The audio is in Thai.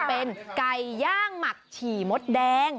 เป็นไก่ย่างหมักฉี่มดแดง